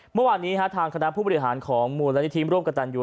เมื่อวานนี้ทางคณะผู้บริหารของมูลนิธิร่วมกับตันยู